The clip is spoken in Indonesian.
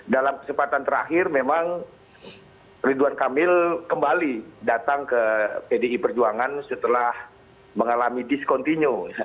dalam kesempatan terakhir memang ridwan kamil kembali datang ke pdi perjuangan setelah mengalami diskontinu